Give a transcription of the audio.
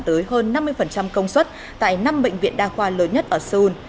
tới hơn năm mươi công suất tại năm bệnh viện đa khoa lớn nhất ở seoul